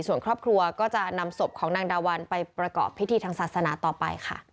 ส่วนครอบครัวก็จะนำศพของนางดาวันไปประกอบพิธีทางศาสนาต่อไปค่ะ